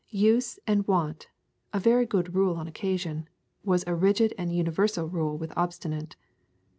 Use and wont, a very good rule on occasion, was a rigid and a universal rule with Obstinate.